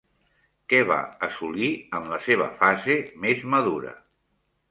Què va assolir en la seva fase més madura?